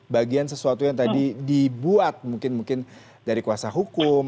bagian sesuatu yang tadi dibuat mungkin mungkin dari kuasa hukum